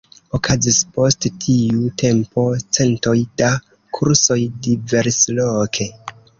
Okazis post tiu tempo centoj da kursoj diversloke.